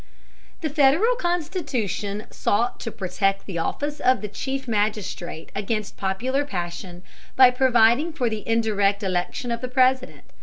The Federal Constitution sought to protect the office of chief magistrate against popular passion by providing for the indirect election of the President.